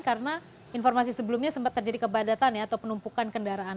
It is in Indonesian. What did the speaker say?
karena informasi sebelumnya sempat terjadi kepadatan atau penumpukan kendaraan